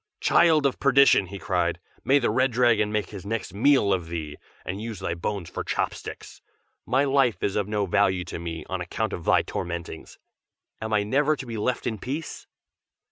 "Child of perdition!" he cried, "may the Red Dragon make his next meal of thee, and use thy bones for chopsticks! my life is of no value to me, on account of thy tormentings. Am I never to be left in peace?"